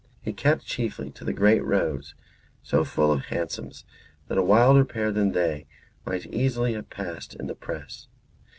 He kept chiefly to the great roads, so full of hansoms that a wilder pair than they might easily have passed in the press.